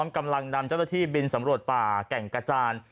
กำลังนำเจ้าหน้าที่บินสำรวจป่าแก่งกระจาน